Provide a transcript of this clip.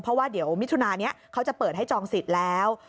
เพราะว่าเดี๋ยวมิถุนานี้เขาจะเปิดให้จองสิทธิ์แล้ว